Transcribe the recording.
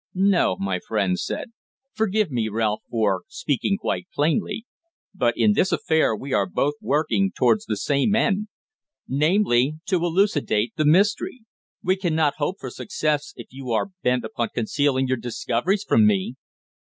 "No," my friend said. "Forgive me, Ralph, for speaking quite plainly, but in this affair we are both working towards the same end namely, to elucidate the mystery. We cannot hope for success if you are bent upon concealing your discoveries from me."